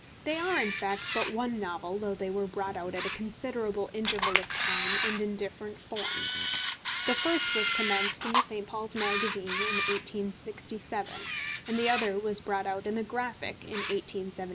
They are, in fact, but one novel, though they were brought out at a considerable interval of time and in different form. The first was commenced in the St. Paul's Magazine in 1867, and the other was brought out in the Graphic in 1873.